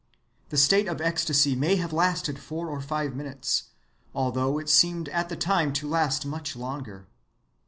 The state of ecstasy may have lasted four or five minutes, although it seemed at the time to last much longer.